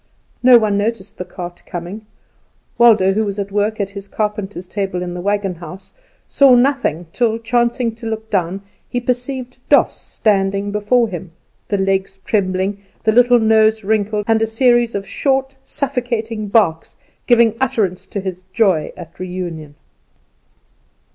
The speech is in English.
No one noticed the cart coming. Waldo, who was at work at his carpenter's table in the wagon house, saw nothing, till chancing to look down he perceived Doss standing before him, the legs trembling, the little nose wrinkled, and a series of short suffocating barks giving utterance to his joy at reunion.